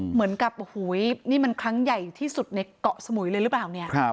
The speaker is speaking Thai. เหมือนกับโอ้โหนี่มันครั้งใหญ่ที่สุดในเกาะสมุยเลยหรือเปล่าเนี่ย